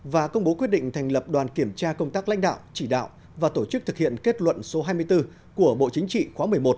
và công bố quyết định thành lập đoàn kiểm tra công tác lãnh đạo chỉ đạo và tổ chức thực hiện kết luận số hai mươi bốn của bộ chính trị khóa một mươi một